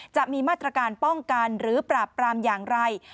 จะมีมาตรการป้องกันหรือปราบปรามอย่างไร